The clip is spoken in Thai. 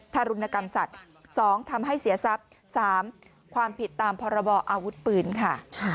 ทารุณกรรมสัตว์๒ทำให้เสียทรัพย์๓ความผิดตามพรบออาวุธปืนค่ะ